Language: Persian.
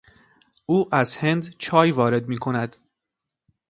او از هند چای وارد میکند.